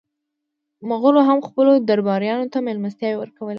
مغولو هم خپلو درباریانو ته مېلمستیاوې ورکولې.